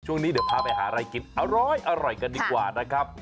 ช่วงนี้เดี๋ยวพาไปหาอะไรกินอร่อยกันดีกว่านะครับ